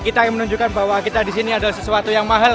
kita menunjukkan bahwa kita di sini adalah sesuatu yang mahal